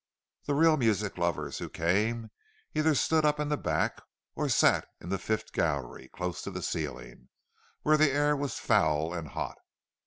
The real music lovers who came, either stood up in the back, or sat in the fifth gallery, close to the ceiling, where the air was foul and hot.